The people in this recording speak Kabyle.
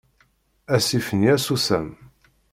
Asif-nni asusam.